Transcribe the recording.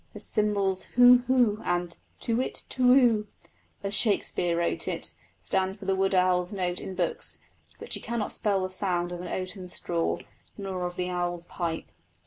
The symbols hoo hoo and to whit to who, as Shakespeare wrote it, stand for the wood owl's note in books; but you cannot spell the sound of an oaten straw, nor of the owl's pipe.